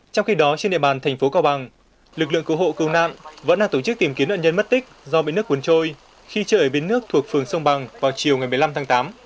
trong khi đó trên địa bàn thành phố cao bằng lực lượng cứu hộ cầu nạn vẫn đang tổ chức tìm kiếm nạn nhân mất tích do bị nước cuốn trôi khi chơi ở bến nước thuộc phường sông bằng vào chiều ngày một mươi năm tháng tám